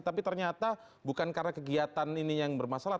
tapi ternyata bukan karena kegiatan ini yang bermasalah